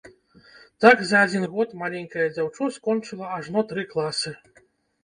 Так за адзін год маленькае дзяўчо скончыла ажно тры класы!